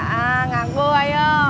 enggak gua yuk